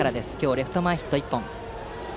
レフト前ヒットを１本。